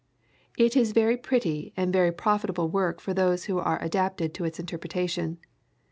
It is very pretty and very profitable work for those who are adapted to its interpretation.